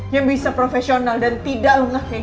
yang bisa profesional dan tidak unggah kayak gini